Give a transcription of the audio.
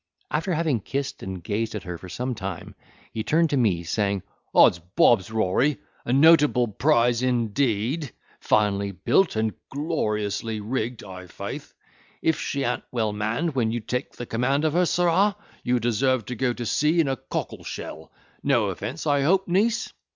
After having kissed and gazed at her for some time, he turned to me, saying. "Odds bobs, Rory! a notable prize indeed, finely built and gloriously rigged, i'faith! If she an't well manned when you take the command of her, sirrah, you deserve to go to sea in a cockle shell. No offence, I hope, niece!